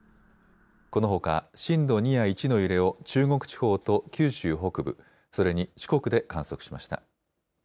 このほか震度２や１の揺れを、中国地方と九州北部、それに四国で観測しました。